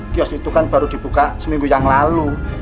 kios itu kan baru dibuka seminggu yang lalu